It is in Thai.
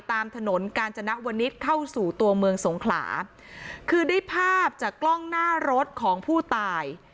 ตามถนนกาญจนวนิษฐ์เข้าสู่ตัวเมืองสงขลาคือได้ภาพจากกล้องหน้ารถของผู้ตาย